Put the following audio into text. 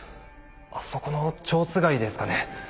あそこのちょうつがいですかね。